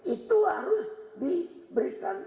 itu harus diberikan